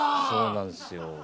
そうなんですよ。